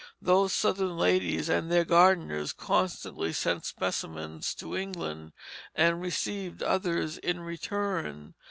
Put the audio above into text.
Those Southern ladies and their gardeners constantly sent specimens to England, and received others in return.